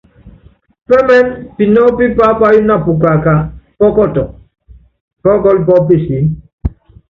Pɛ́mɛɛ́nɛ pinɔ́kɔ́ pí paápayɔ́ na pukaaka, pɔkɔtɔ, pɔ́kɔ́lɔ pɔ́ peseé.